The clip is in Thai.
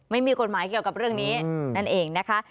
ไม่มีกฎหมายเกี่ยวกับเรื่องนี้นั่นเองนะคะ